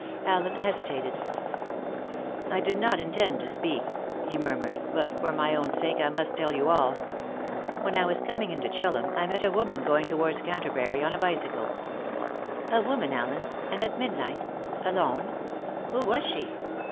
Allen hesitated. "I did not intend to speak," he murmured; "but for my own sake I must tell you all. When I was coming into Chillum I met a woman going towards Canterbury on a bicycle." "A woman, Allen! And at midnight alone! Who was she?"